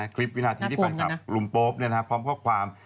คลิปวินาทีที่ฝ่ายกลับลุมโป๊ปพร้อมข้อความ